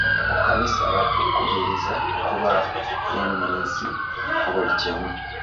Mu kkanisa batukubiriza okuba n’emmizi ku buli kimu.